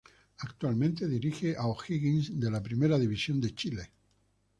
Actualmente dirige a O'Higgins de la Primera División de Chile.